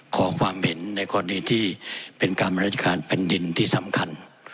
ขอความเห็นในกรณีที่เป็นการบริการราชการแผ่นดินที่สำคัญ